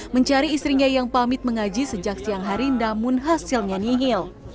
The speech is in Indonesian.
mencari istrinya yang pamit mengaji sejak siang hari namun hasilnya nihil